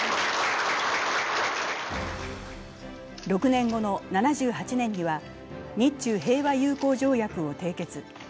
６年後の７８年には、日中平和友好条約を締結。